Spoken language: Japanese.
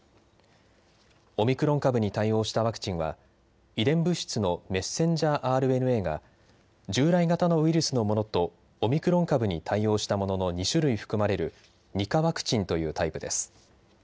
オミクロン株に対応したワクチンは遺伝物質のメッセンジャーＲＮＡが従来型のウイルスのものとオミクロン株に対応したものの２種類含まれる２価ワクチンというタイプです。